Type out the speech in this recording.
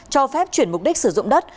cho phép chuyển mục đích sử dụng đất